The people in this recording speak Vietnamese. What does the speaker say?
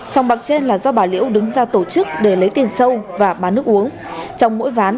sòng bạc trên là do bà liễu đứng ra tổ chức để lấy tiền sâu và bán nước uống trong mỗi ván